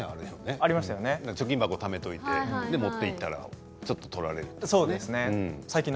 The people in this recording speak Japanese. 貯金箱、ためておいて持っていったらちょっと取られるってやつですよね。